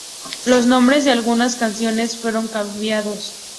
Los nombres de algunas canciones fueron cambiados.